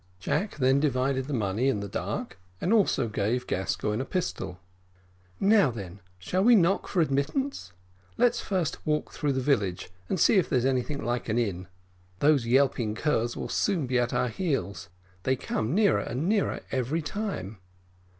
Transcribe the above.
Jack then divided the money in the dark, and also gave Gascoigne a pistol. "Now then, shall we knock for admittance? Let's first walk through the village, and see if there's anything like an inn. Those yelping curs will soon be at our heels; they come nearer and nearer every time.